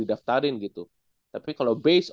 didaftarin gitu tapi kalau base